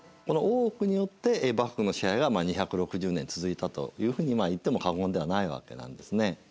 この大奥によって幕府の支配が２６０年続いたというふうに言っても過言ではないわけなんですね。